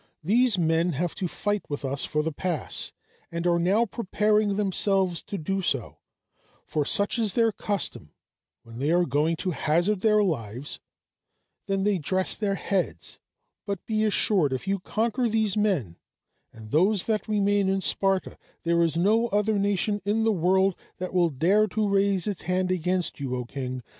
These men have to fight with us for the pass and are now preparing themselves to do so; for such is their custom when they are going to hazard their lives, then they dress their heads; but be assured if you conquer these men and those that remain in Sparta, there is no other nation in the world that will dare to raise its hand against you, O king!